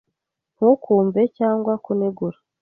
Ntukumve cyane kunegura.